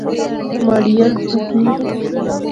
مہاڑی اکھ پھرکنی